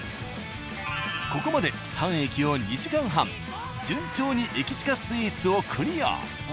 ここまで３駅を２時間半順調に駅近スイーツをクリア。